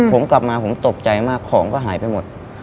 ผมกลับมาผมตกใจมากของก็หายไปหมด